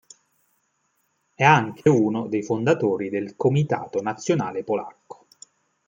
È anche uno dei fondatori del Comitato Nazionale Polacco.